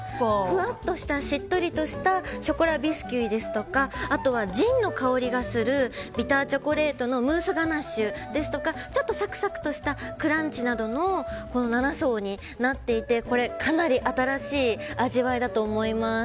ふわっとした、しっとりとしたショコラビスキュイですとかジンの香りがするビターチョコレートのムースガナッシュですとかちょっとサクサクしたクランチなどの７層になっていてかなり新しい味わいだと思います。